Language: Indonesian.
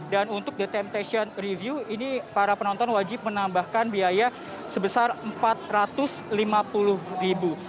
dan untuk the temptation review ini para penonton wajib menambahkan biaya sebesar empat ratus lima puluh ribu